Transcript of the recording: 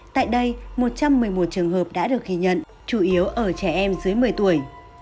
tại đây một trăm một mươi một trường hợp đã được ghi nhận chủ yếu ở trẻ em dưới một mươi tuổi